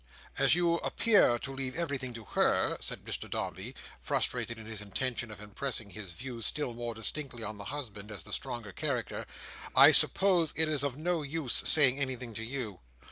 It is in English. "As you appear to leave everything to her," said Mr Dombey, frustrated in his intention of impressing his views still more distinctly on the husband, as the stronger character, "I suppose it is of no use my saying anything to you."